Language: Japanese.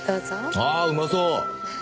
ああうまそう！